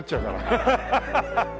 アハハハ。